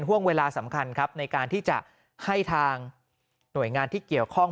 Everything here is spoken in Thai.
ห่วงเวลาสำคัญครับในการที่จะให้ทางหน่วยงานที่เกี่ยวข้อง